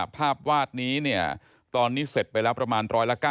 ภาพวาดนี้ตอนนี้เสร็จไปแล้วประมาณ๑๙